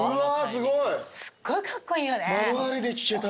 すっごいカッコイイよね。